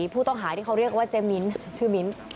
ผู้ต้องหาที่เขาเรียกว่าเจมิ้นชื่อมิ้น